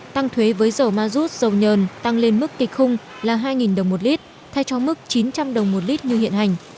tăng thuế với dầu ma rút dầu nhờn tăng lên mức kịch khung là hai đồng một lít thay cho mức chín trăm linh đồng một lít như hiện hành